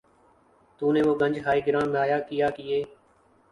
تو نے وہ گنج ہائے گراں مایہ کیا کیے